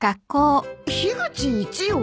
樋口一葉？